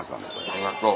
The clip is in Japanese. ありがとう。